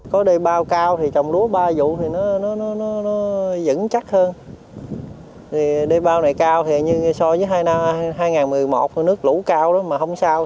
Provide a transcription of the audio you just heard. có đê bào cao thì trồng lúa ba vụ thì nó dẫn chắc hơn đê bào này cao thì so với hai nghìn một mươi một nước lũ cao đó mà không sao